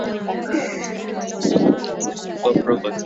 ili kutoa msukumo zaidi kwa korea kaskazini